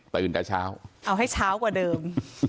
แต่เช้าเอาให้เช้ากว่าเดิม